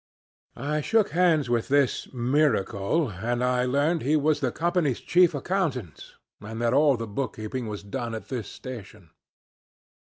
"I shook hands with this miracle, and I learned he was the Company's chief accountant, and that all the bookkeeping was done at this station.